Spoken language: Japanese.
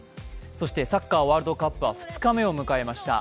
そしてサッカーワールドカップは２日目を迎えました。